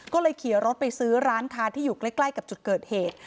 ก็เลยขี่รถไปซื้อร้านค้าที่อยู่ใกล้กับจุดเกิดเหตุ